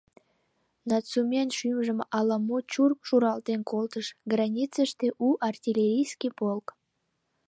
Нацумен шӱмжым ала-мо чурк шуралтен колтыш: границыште — у артиллерийский полк!